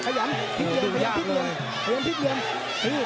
ขยันดูยากเลยดูยากเลย